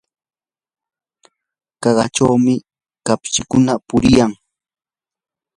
qaqachawmi kapchikuna puriyan.